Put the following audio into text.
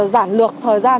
giản lược thời gian